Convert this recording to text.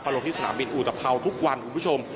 ลงที่สนามบินอุตภัวร์ทุกวันคุณผู้ชม